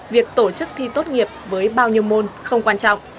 việc tổ chức thi tốt nghiệp với bao nhiêu môn không quan trọng